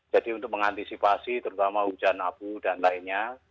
jadi untuk mengantisipasi terutama hujan abu dan lainnya